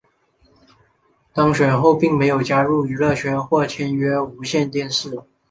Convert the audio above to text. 当选后并没有加入娱乐圈或签约无线电视。